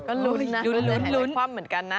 ก็ลุ้นนะ